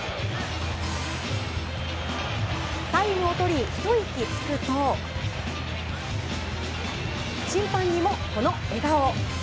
タイムを取り、ひと息つくと審判にも、この笑顔。